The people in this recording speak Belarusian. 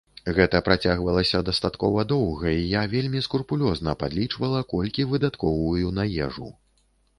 Гэта працягвалася дастаткова доўга, і я вельмі скрупулёзна падлічвала, колькі выдаткоўваю на ежу.